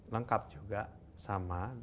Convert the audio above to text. lengkap juga sama